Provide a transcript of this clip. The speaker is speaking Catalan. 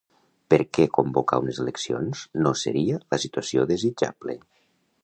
Perquè convocar unes eleccions no seria la situació desitjable.